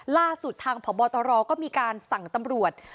ล่าสุดทางพบตรก็มีการสั่งตำรวจ